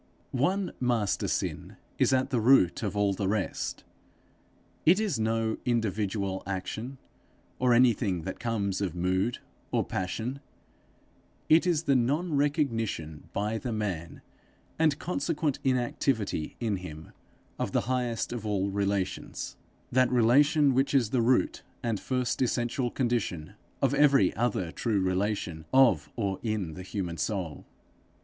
One master sin is at the root of all the rest. It is no individual action, or anything that comes of mood, or passion; it is the non recognition by the man, and consequent inactivity in him, of the highest of all relations, that relation which is the root and first essential condition of every other true relation of or in the human soul.